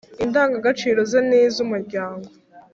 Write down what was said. indagagaciro ze n iz umuryango